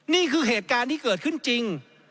นี่คือเหตุการณ์ที่เกิดขึ้นจริง